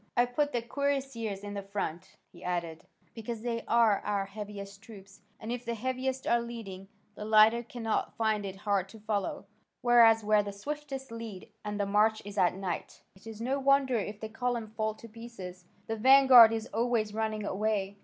I put the cuirassiers in the front," he added, "because they are our heaviest troops, and if the heaviest are leading, the lighter cannot find it hard to follow: whereas where the swiftest lead and the march is at night, it is no wonder if the column fall to pieces: the vanguard is always running away.